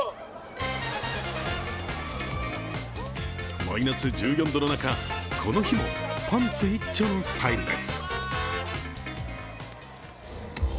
マイナス１４度の中、この日もパンツ一丁のスタイルです。